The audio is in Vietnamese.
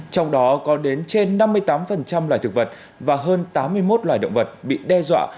trong đó có đến trên năm mươi tám loài thực vật và hơn tám mươi một loài động vật bị đe dọa